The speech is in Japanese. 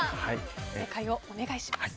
正解をお願いします。